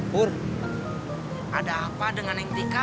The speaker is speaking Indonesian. bu ada apa dengan neng tika